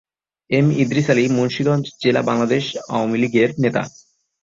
M Idris Ali Munshiganj জেলা বাংলাদেশ আওয়ামী লীগের নেতা।